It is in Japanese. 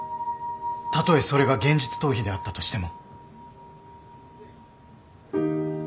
たとえそれが現実逃避であったとしても。